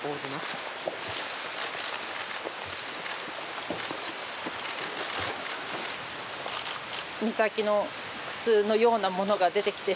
美咲の靴のようなものが出てきてしまい。